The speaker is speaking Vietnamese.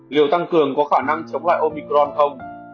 liệu tăng cường có khả năng chống lại omicron không